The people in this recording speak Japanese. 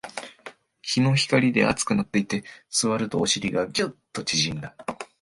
日の光で熱くなっていて、座るとお尻がギュッと縮んだ